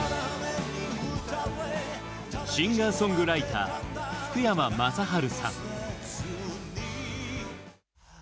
シンガーソングライター福山雅治さん。